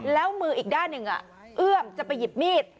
แล้วมืออีกด้านหนึ่งเอื้อมจะไปหยิบมีด